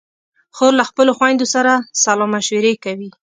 خور له خپلو خویندو سره سلا مشورې کوي.